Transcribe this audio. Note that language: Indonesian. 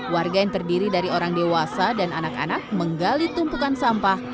warga yang terdiri dari orang dewasa dan anak anak menggali tumpukan sampah